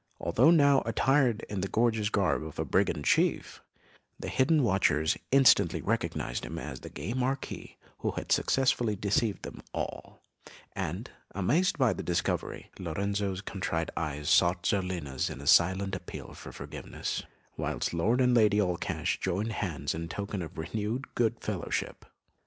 Although now attired in the gorgeous garb of a brigand chief, the hidden watchers instantly recognised him as the gay Marquis who had successfully deceived them all, and, amazed at the discovery, Lorenzo's contrite eyes sought Zerlina's in a silent appeal for forgiveness, whilst Lord and Lady Allcash joined hands in token of renewed good fellowship.